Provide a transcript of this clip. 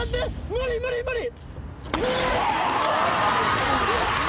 無理無理無理。